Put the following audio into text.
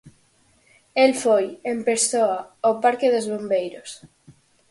El foi, en persoa, ao parque dos bombeiros.